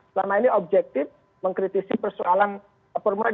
selama ini objektif mengkritisi persoalan formula e